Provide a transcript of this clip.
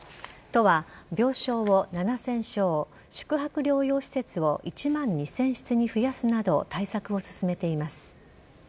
都は病床を７０００床宿泊療養施設を１万２０００室に増やすなど対策を進めています。